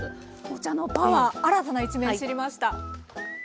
お茶のパワー新たな一面知りました。